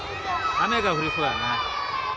雨が降りそうやね。